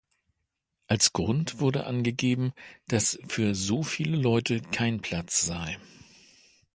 Als Grund wurde angegeben, dass für so viele Leute kein Platz sei.